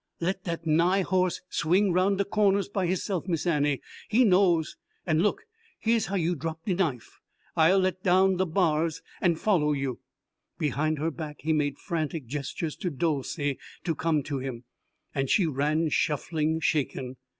"Let dat nigh horse swing round de cornahs by hisse'f, Miss Annie. He knows. An' look here's how you drop de knife. I'll let down de bars an' foller you." Behind her back he made frantic gestures to Dolcey to come to him, and she ran, shuffling, shaken.